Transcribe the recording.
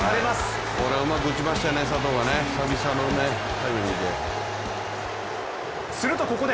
これはうまく打ちましたよね、久々のタイムリーで。